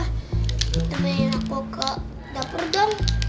rafa kita mainin aku ke dapur dong